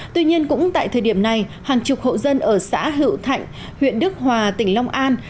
tuy nhiên cũng tại thời điểm này hàng chục hộ dân ở xã hữu thạnh huyện đức hòa tỉnh long an